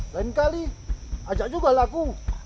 lain kali ajak juga lah aku